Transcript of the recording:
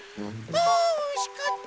あおいしかった。